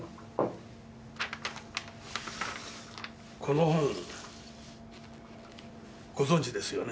この本ご存じですよね？